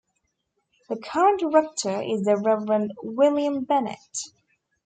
The current Rector is the Reverend William Bennett.